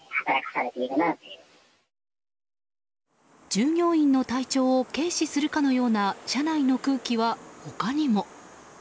従業員の体調を軽視するかのような社内の空気は他にも。